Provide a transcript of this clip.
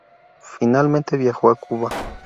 Finalmente viajó a Cuba.